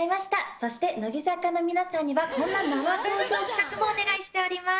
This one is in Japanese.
そして乃木坂の皆さんにはこんな生投票企画もお願いしております。